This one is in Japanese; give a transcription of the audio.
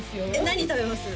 何食べます？